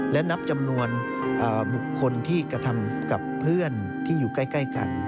และนับจำนวนบุคคลที่กระทำกับเพื่อนที่อยู่ใกล้กัน